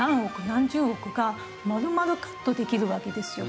何十億が丸々カットできるわけですよ。